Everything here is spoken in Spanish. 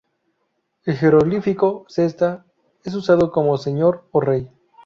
El "jeroglífico cesta" es usado como 'señor', o 'rey'.